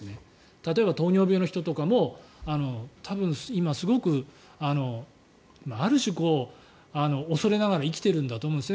例えば、糖尿病の人とかも多分、今すごくある種、恐れながら生きてるんだと思います